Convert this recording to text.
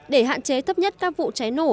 để hạn chế thấp nhất các vụ cháy nổ